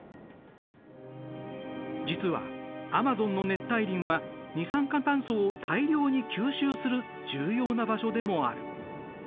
実はアマゾンの熱帯林は二酸化炭素を大量に吸収する重要な場所でもある。